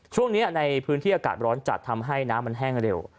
ช่วงนี้ในพื้นที่อากาศร้อนจัดทำให้น้ำมันแห้งเร็ว